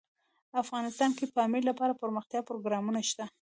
افغانستان کې د پامیر لپاره دپرمختیا پروګرامونه شته.